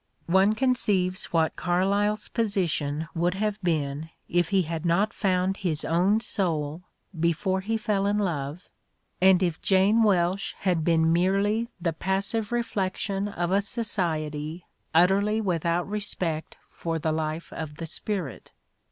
One conceives what Carlyle 's position would have been if he had not found his own soul before he fell in love, and if Jane Welsh had been merely the passive reflection of a society utterly without respect for the life of the spirit.